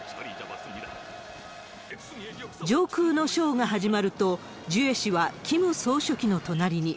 上空のショーが始まると、ジュエ氏はキム総書記の隣に。